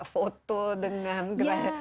foto dengan gerai